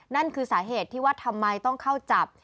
นั่นคือสาเหตุที่ว่าทำไมต้องเข้าจับ